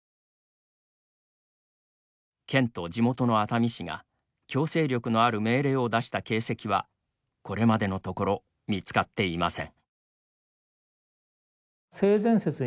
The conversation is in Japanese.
県と地元の熱海市が強制力のある命令を出した形跡はこれまでのところ見つかっていません。